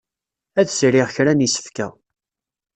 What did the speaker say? Ad sriɣ kra n yisefka.